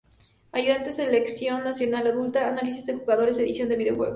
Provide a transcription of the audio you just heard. Ayudante Selección Nacional Adulta; Análisis de Jugadores, Edición de videos.